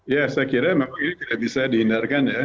ya saya kira memang ini tidak bisa dihindarkan ya